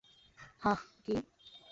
হাহ, কী?